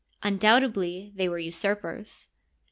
Undoubtedly they were usurpers.